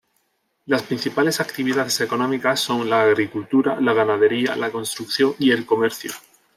Las principales actividades económicas son la agricultura, la ganadería, la construcción y el comercio.